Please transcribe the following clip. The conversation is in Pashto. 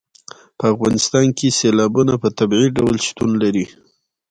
په افغانستان کې سیلابونه په طبیعي ډول شتون لري.